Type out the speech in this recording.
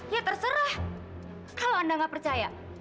ya terserah kalau anda nggak percaya